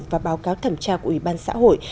và báo cáo thẩm tra của ủy ban xã hội